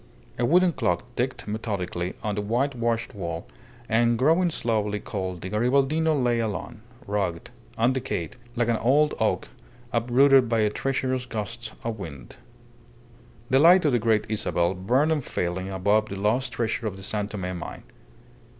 A wooden clock ticked methodically on the white washed wall, and growing slowly cold the Garibaldino lay alone, rugged, undecayed, like an old oak uprooted by a treacherous gust of wind. The light of the Great Isabel burned unfailing above the lost treasure of the San Tome mine.